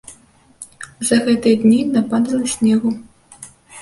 За гэтыя дні нападала снегу.